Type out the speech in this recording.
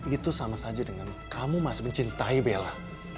itu sama saja dengan kamu masih mencintai bella